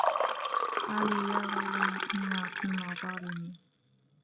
قَالُوا يَا وَيْلَنَا إِنَّا كُنَّا ظَالِمِينَ